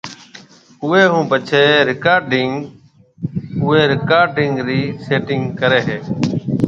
اوئي ھونپڇي رڪارڊسٽ اوئي رڪارڊنگ ري سيٽنگ ڪري ھيَََ